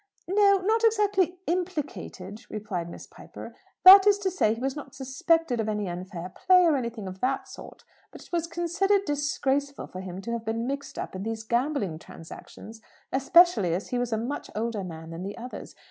"No; not exactly implicated," replied Miss Piper. "That is to say, he was not suspected of any unfair play, or anything of that sort; but it was considered disgraceful for him to have been mixed up in these gambling transactions; especially as he was a much older man than the others.